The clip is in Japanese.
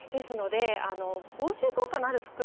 防臭効果のある袋